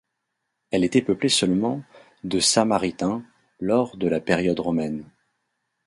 Elle était peuplée seulement de Samaritains lors de la période romaine.